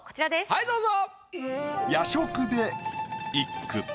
はいどうぞ。